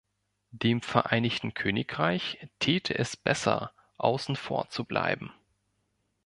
Dem Vereinigten Königreich täte es besser, außen vor zu bleiben.